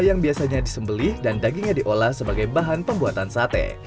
yang biasanya disembelih dan dagingnya diolah sebagai bahan pembuatan sate